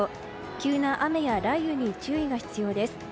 急な雨や雷雨に注意が必要です。